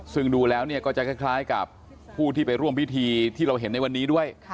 ซึ่งดูแล้วก็จะคล้ายกับผู้ที่ไปร่วมพิธีที่เราเห็นในวันนี้ด้วย